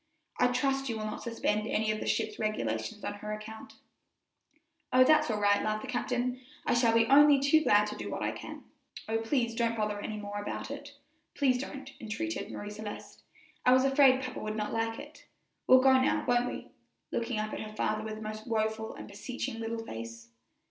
I trust you will not suspend any of the ship's regulations on her account." "Oh, that's all right," laughed the captain, "I shall be only too glad to do what I can." "Oh, please don't bother any more about it please don't," entreated Marie Celeste; "I was afraid papa would not like it. We'll go now, won't we?" looking up at her father with a most woful and beseeching little face.